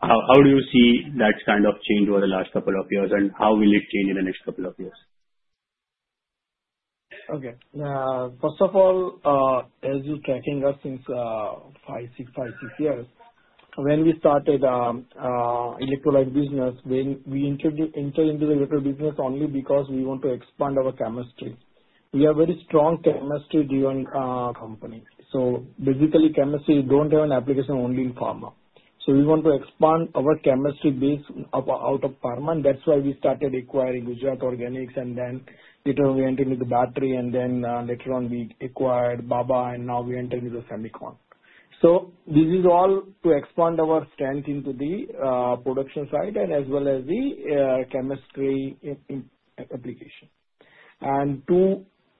How do you see that kind of change over the last couple of years, and how will it change in the next couple of years? Okay. First of all, as you're tracking us since five, six, five years, when we started electrolyte business, we entered into the electrolyte business only because we want to expand our chemistry. We have very strong chemistry during company. So basically, chemistry don't have an application only in pharma. So we want to expand our chemistry based out of Pharma, and that's why we started acquiring Gujarat Organics, and then later on, we entered into battery, and then later on, we acquired BABA, and now we entered into Semicon. So this is all to expand our strength into the production side and as well as the chemistry application. And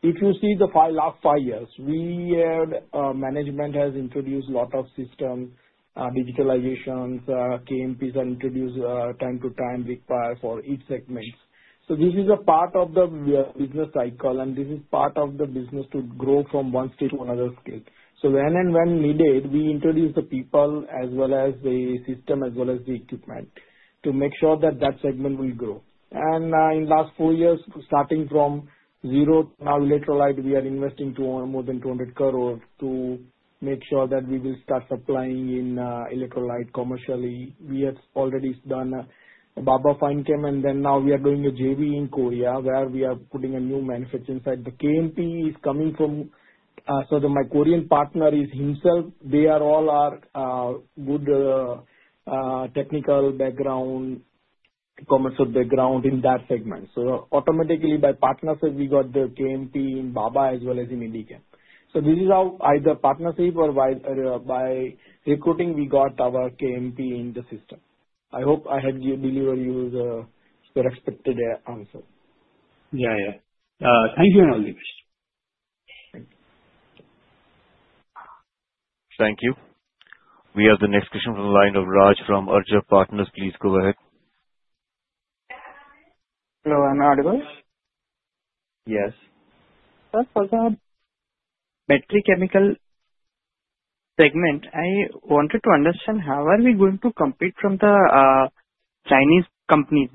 if you see the last five years, management has introduced a lot of systems, digitalizations, KMPs are introduced time to time required for each segment. So this is a part of the business cycle, and this is part of the business to grow from one state to another state. So when and when needed, we introduce the people as well as the system as well as the equipment to make sure that that segment will grow. And in the last four years, starting from zero to now electrolyte, we are investing more than 200 crore to make sure that we will start supplying in electrolyte commercially. We have already done Baba Fine Chemicals, and then now we are doing a JV in Korea where we are putting a new manufacturing site. The KMP is coming from so my Korean partner is himself. They are all our good technical background, commercial background in that segment. So automatically, by partnership, we got the KMP in Baba Fine Chemicals as well as in IndiGem. So, this is how either partnership or by recruiting, we got our KMP in the system. I hope I have delivered you your expected answer. Yeah. Yeah. Thank you and all the best. Thank you. Thank you. We have the next question from the line of Raj from Arjav Partners. Please go ahead. Hello. I'm audible? Yes. Sir, for the battery chemical segment, I wanted to understand how are we going to compete from the Chinese companies?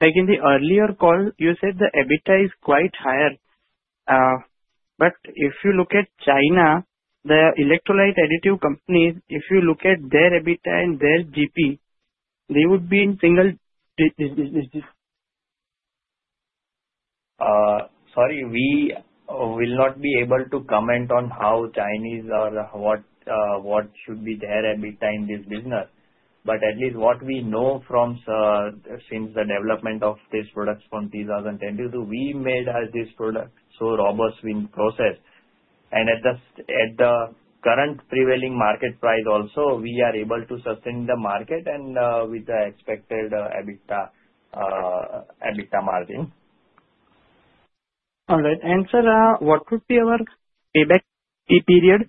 Like in the earlier call, you said the EBITDA is quite higher. But if you look at China, the electrolyte additive companies, if you look at their EBITDA and their GP, they would be in single. Sorry. We will not be able to comment on how Chinese or what should be their EBITDA in this business. But at least what we know from since the development of this product from 2010 to 2012, we made this product so robust with process. And at the current prevailing market price also, we are able to sustain the market and with the expected EBITDA margin. All right, and sir, what would be our payback period?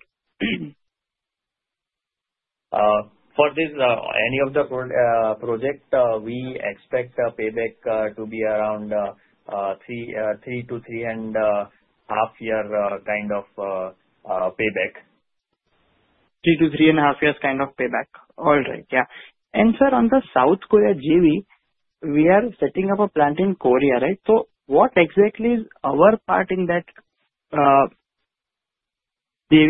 For any of the projects, we expect payback to be around three to three and a half years kind of payback. Three to three and a half years kind of payback. All right. Yeah. And sir, on the South Korea JV, we are setting up a plant in Korea, right? So what exactly is our part in that JV?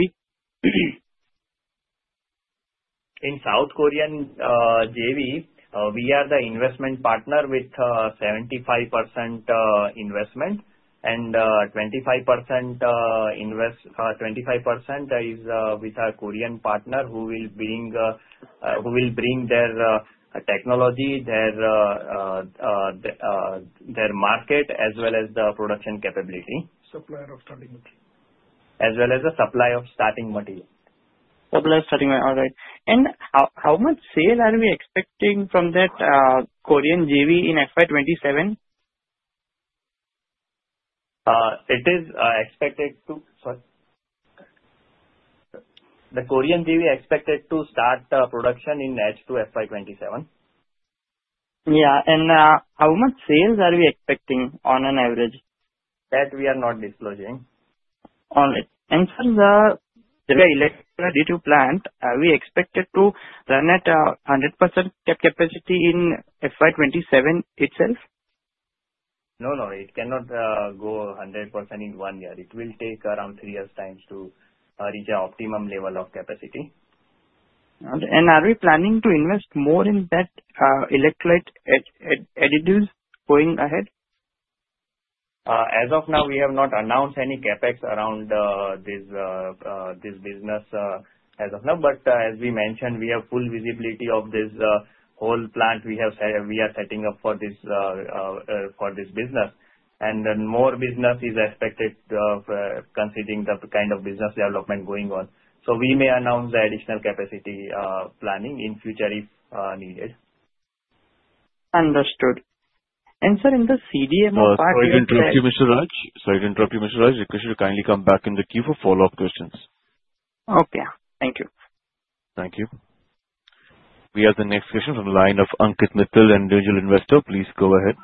In South Korean JV, we are the investment partner with 75% investment, and 25% is with our Korean partner who will bring their technology, their market, as well as the production capability. Supplier of starting material. Supplier of starting material. All right. And how much sale are we expecting from that Korean JV in FY27? The Korean JV is expected to start production in H2 FY27. Yeah. And how much sales are we expecting on an average? That we are not disclosing. All right. And, sir, the. The electrolyte additive plant, are we expected to run at 100% capacity in FY27 itself? No, no. It cannot go 100% in one year. It will take around three years' time to reach an optimum level of capacity. Are we planning to invest more in that electrolyte additives going ahead? As of now, we have not announced any CapEx around this business as of now. But as we mentioned, we have full visibility of this whole plant we are setting up for this business. And more business is expected considering the kind of business development going on. So we may announce the additional capacity planning in future if needed. Understood. And sir, in the CDMO part. Sorry to interrupt you, Mr. Raaj. Sorry to interrupt you, Mr. Raaj. Requested to kindly come back in the queue for follow-up questions. Okay. Thank you. Thank you. We have the next question from the line of Ankit Mittal, an Individual Investor. Please go ahead.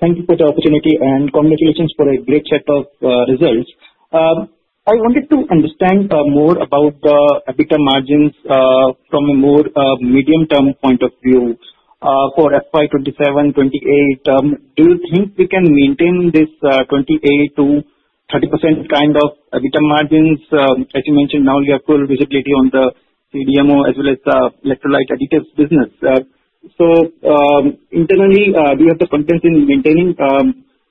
Thank you for the opportunity and congratulations for a great set of results. I wanted to understand more about the EBITDA margins from a more medium-term point of view for FY 2027, 2028. Do you think we can maintain this 28% to 30% kind of EBITDA margins? As you mentioned, now we have full visibility on the CDMO as well as the electrolyte additives business. So internally, do you have the confidence in maintaining,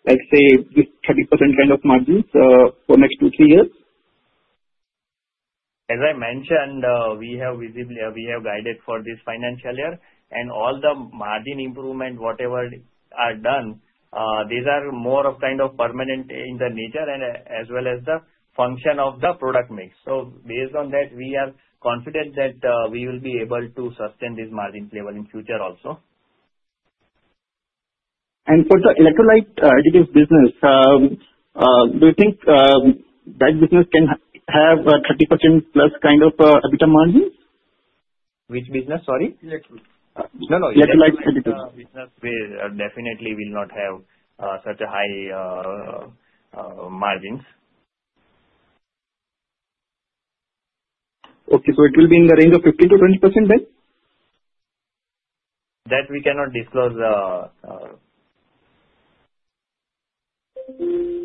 let's say, this 30% kind of margins for the next two, three years? As I mentioned, we have visibility. We have guided for this financial year, and all the margin improvement, whatever are done, these are more of kind of permanent in the nature and as well as the function of the product mix, so based on that, we are confident that we will be able to sustain this margin profile in future also. For the electrolyte additives business, do you think that business can have a 30% plus kind of EBITDA margin? Which business? Sorry. Electrolyte. No, no. Electrolyte additives. Electrolyte additives. Business definitely will not have such a high margins. Okay. So it will be in the range of 15% to 20% then? That we cannot disclose.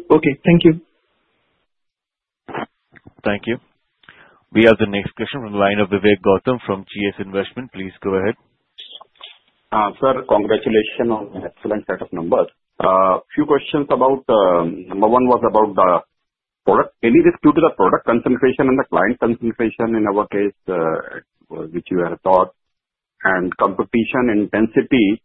Okay. Thank you. Thank you. We have the next question from the line of Vivek Gautam GS Investmentss. please go ahead. Sir, congratulations on an excellent set of numbers. A few questions about number one was about the product. Any risk due to the product concentration and the client concentration in our case, which you have thought, and competition intensity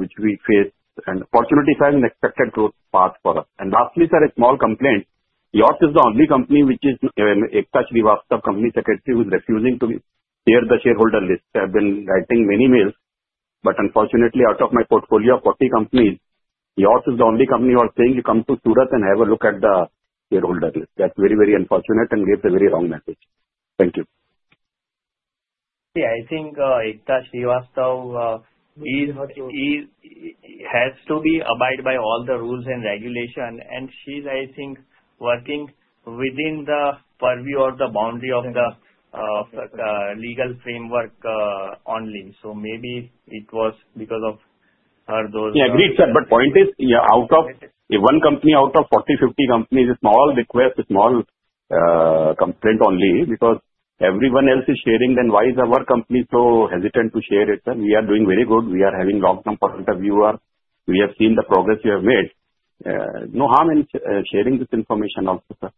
which we face, and opportunity size and expected growth path for us. And lastly, sir, a small complaint. Yours is the only company which is a touch devoid of Company Secretary who's refusing to share the shareholder list. I've been writing many mails, but unfortunately, out of my portfolio of 40 companies, yours is the only company who are saying, "You come to Surat and have a look at the shareholder list." That's very, very unfortunate and gives a very wrong message. Thank you. Yeah. I think it touched you. So it has to abide by all the rules and regulations. And she's, I think, working within the purview or the boundary of the legal framework only. So maybe it was because of her those. Yeah. Agreed, sir. But point is, out of one company, out of 40 to 50 companies, it's all request, it's all complaint only because everyone else is sharing. Then why is our company so hesitant to share it, sir? We are doing very good. We are having long-term perspective. We have seen the progress you have made. No harm in sharing this information also, sir.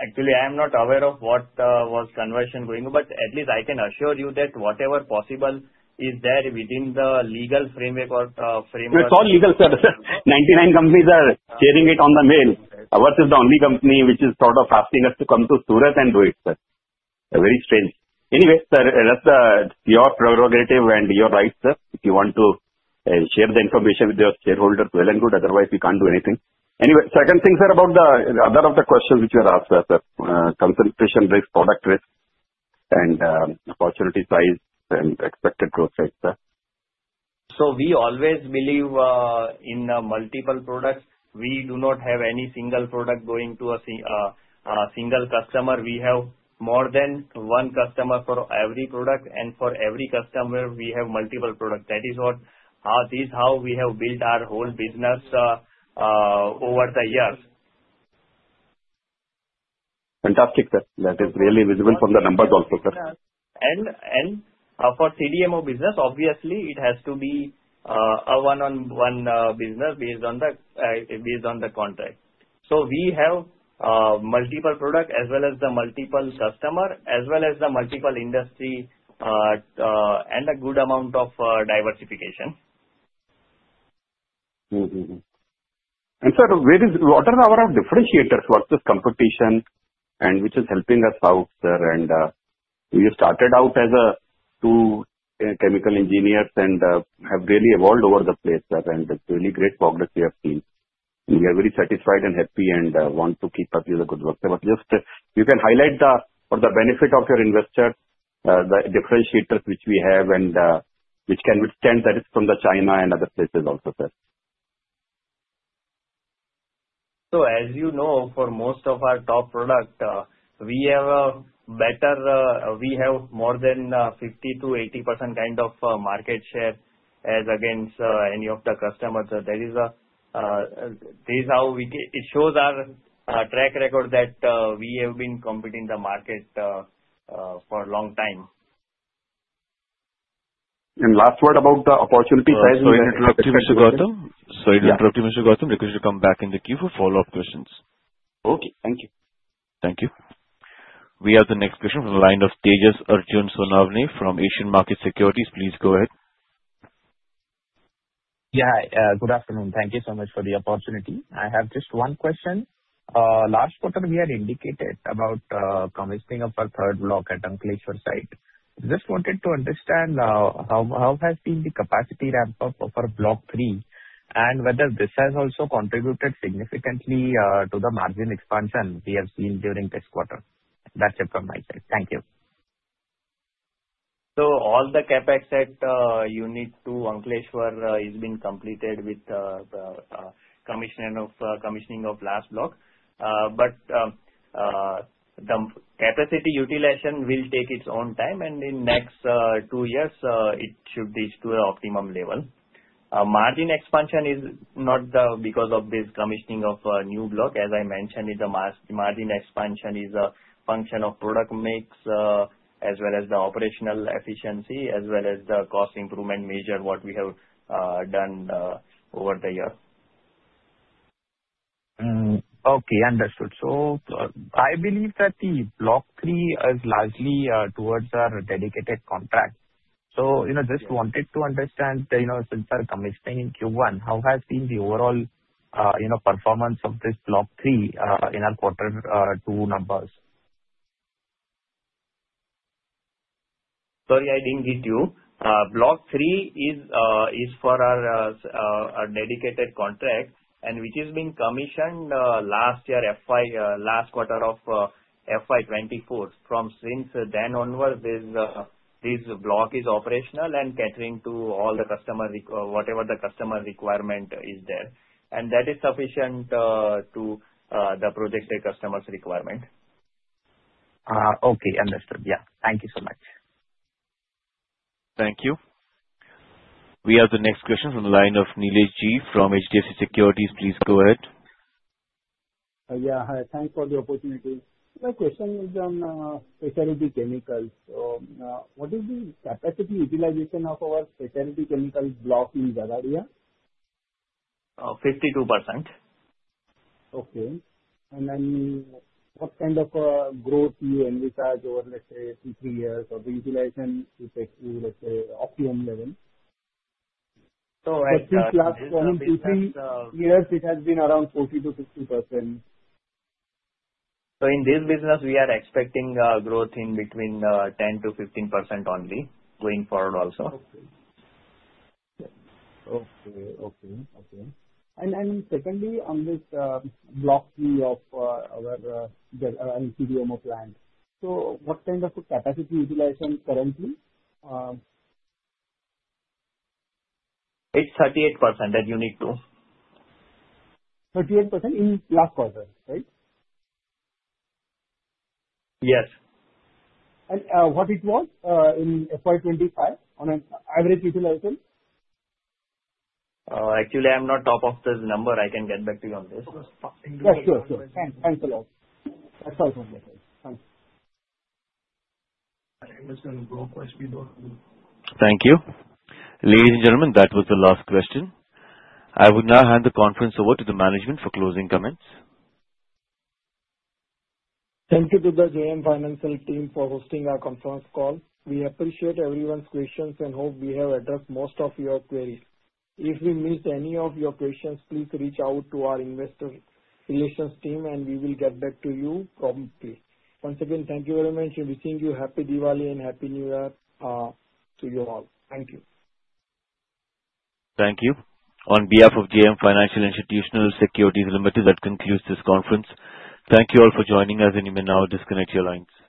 Actually, I am not aware of what was conversation going on, but at least I can assure you that whatever possible is there within the legal framework. It's all legal, sir. 99 companies are sharing it on the mail. Ours is the only company which is sort of asking us to come to Surat and do it, sir. Very strange. Anyway, sir, that's your prerogative and your right, sir. If you want to share the information with your shareholders, well and good. Otherwise, we can't do anything. Anyway, second thing, sir, about the other of the questions which were asked, sir, concentration risk, product risk, and opportunity size and expected growth rate, sir. So we always believe in multiple products. We do not have any single product going to a single customer. We have more than one customer for every product, and for every customer, we have multiple products. That is how we have built our whole business over the years. Fantastic, sir. That is really visible from the numbers also, sir. And for CDMO business, obviously, it has to be a one-on-one business based on the contract. So we have multiple products as well as the multiple customers as well as the multiple industry and a good amount of diversification. And sir, what are our differentiators versus competition, and which is helping us out, sir? And we started out as two chemical engineers and have really evolved over the place, sir, and it's really great progress we have seen. We are very satisfied and happy and want to keep up with the good work. But just you can highlight for the benefit of your investors, the differentiators which we have and which can withstand the risk from China and other places also, sir. So as you know, for most of our top product, we have more than 50% to 80% kind of market share as against any of the customers. That is how it shows our track record that we have been competing in the market for a long time. Last word about the opportunity size. Sorry to interrupt you, Mr. Gautam. Requested to come back in the queue for follow-up questions. Okay. Thank you. Thank you. We have the next question from the line of Tejas Arjun Sonawane from Asian Markets Securities. Please go ahead. Yeah. Good afternoon. Thank you so much for the opportunity. I have just one question. Last quarter, we had indicated about commencing of our third block at Ankleshwar site. Just wanted to understand how has been the capacity ramp-up of our Block 3 and whether this has also contributed significantly to the margin expansion we have seen during this quarter. That's it from my side. Thank you. So all the CapEx at Unit 2, Ankleshwar, has been completed with commissioning of last block. But the capacity utilization will take its own time, and in the next two years, it should reach to an optimum level. Margin expansion is not because of this commissioning of a new block. As I mentioned, the margin expansion is a function of product mix as well as the operational efficiency as well as the cost improvement measure, what we have done over the year. Okay. Understood. So I believe that the Block 3 is largely towards our dedicated contract. So just wanted to understand since our commissioning in Q1, how has been the overall performance of this Block 3 in our quarter two numbers? Sorry, I didn't get you. Block 3 is for our dedicated contract, and which has been commissioned last year, last quarter of FY24. Since then onward, this block is operational and catering to whatever the customer requirement is there, and that is sufficient to the projected customer's requirement. Okay. Understood. Yeah. Thank you so much. Thank you. We have the next question from the line of Nilesh G from HDFC Securities. Please go ahead. Yeah. Hi. Thanks for the opportunity. My question is on specialty chemicals. So what is the capacity utilization of our specialty chemical block in Jhagadia? 52%. Okay, and then what kind of growth do you envisage over, let's say, two, three years of the utilization to take to, let's say, optimum level? So at the. But since last one, two, three years, it has been around 40% to 50%. So in this business, we are expecting growth in between 10% to 15% only going forward also. Okay. And then secondly, on this Block 3 of our CDMO plant, so what kind of capacity utilization currently? It's 38% at Unit 2. 38% in last quarter, right? Yes. What it was in FY25 on an average utilization? Actually, I'm not on top of this number. I can get back to you on this. Sure. Thanks a lot. That's all from my side. Thanks. Thank you. Ladies and gentlemen, that was the last question. I will now hand the conference over to the management for closing comments. Thank you to the JM Financial team for hosting our conference call. We appreciate everyone's questions and hope we have addressed most of your queries. If we miss any of your questions, please reach out to our investor relations team, and we will get back to you promptly. Once again, thank you very much. We wish you a happy Diwali and happy New Year to you all. Thank you. Thank you. On behalf of JM Financial Institutional Securities Limited, that concludes this conference. Thank you all for joining us, and you may now disconnect your lines.